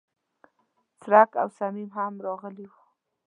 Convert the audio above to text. څرک او صمیم هم راغلي و.